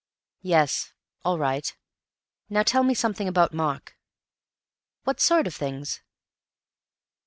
"Yes.... All right; now tell me something about Mark." "What sort of things?"